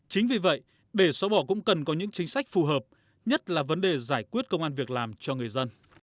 chính vì vậy để xóa bỏ cũng cần có những chính sách phù hợp nhất là vấn đề giải quyết công an việc làm cho người dân